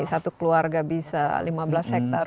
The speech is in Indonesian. satu keluarga bisa lima belas hektare